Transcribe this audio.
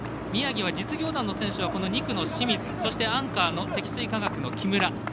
宮城は実業団の選手は清水そして、アンカーの積水化学の木村。